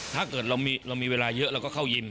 ถ้าเกิดเรามีเวลาเยอะเราก็เข้ายิน